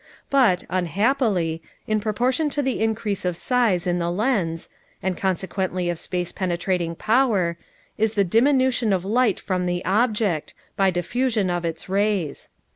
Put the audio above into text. But, unhappily, in proportion to the increase of size in the lens, and consequently of space penetrating power, is the diminution of light from the object, by diffusion of its rays.